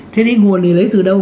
thế thì nguồn này lấy từ đâu